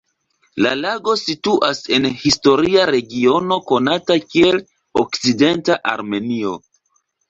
La lago situas en historia regiono konata kiel Okcidenta Armenio.